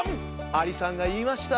アリさんがいいました。